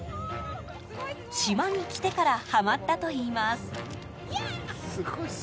島に来てからはまったといいます。